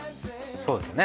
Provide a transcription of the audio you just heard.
そうですね。